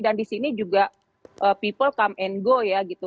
dan di sini juga orang orang datang dan pergi ya begitu